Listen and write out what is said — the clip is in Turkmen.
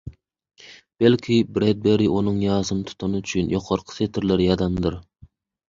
Belki, Bredberi onuň ýasyny tutany üçin ýokarky setirleri ýazandyr?!